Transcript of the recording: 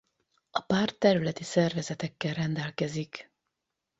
A párt területi szervezetekkel rendelkezik.